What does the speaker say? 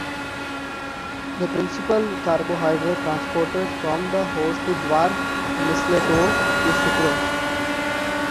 The principal carbohydrate transported from the host to dwarf mistletoe is sucrose.